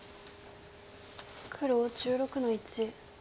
黒１６の一。